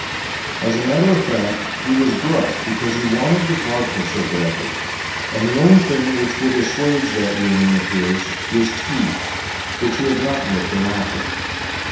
" As a matter of fact, he was gruff because he wanted the vodka so badly, and the only thing which would assuage that ^'earning of his was tea — which he had not yet been offered.